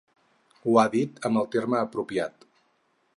Ho ha dit amb el terme apropiat.